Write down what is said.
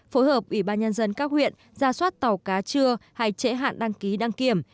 phối hợp ủy ban nhân dân các huyện ra soát tàu cá chưa hay trễ hạn đăng ký đăng kiểm